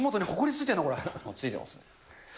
ついてます。